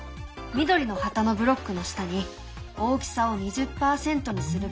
緑の旗のブロックの下に「大きさを２０％にする」